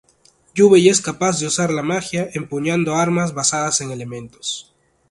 Jubei es capaz de usar la magia empuñando armas basadas en elementos.